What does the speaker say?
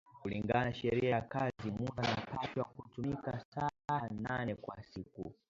Kulingana na sheria ya kazi mutu anapashwa kutumika saha nane kwa siku